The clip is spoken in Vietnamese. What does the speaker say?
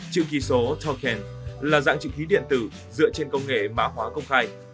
chữ ký số token là dạng chữ ký điện tử dựa trên công nghệ mã hóa công khai